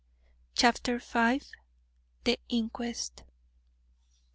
CHAPTER V. THE INQUEST.